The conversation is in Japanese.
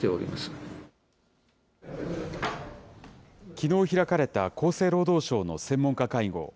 きのう開かれた厚生労働省の専門家会合。